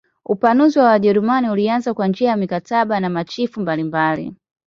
Upanuzi wa Wajerumani ulianza kwa njia ya mikataba na machifu mbalimbali.